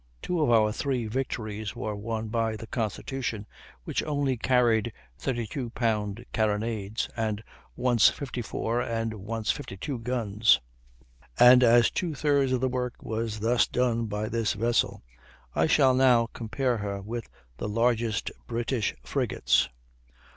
Two of our three victories were won by the Constitution, which only carried 32 pound carronades, and once 54 and once 52 guns; and as two thirds of the work was thus done by this vessel, I shall now compare her with the largest British frigates.